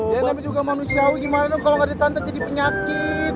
jangan emang juga manusia lo gimana dong kalo gak ditantang jadi penyakit